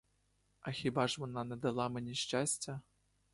А хіба ж вона не дала мені щастя!